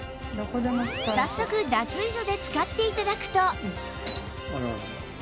早速脱衣所で使って頂くと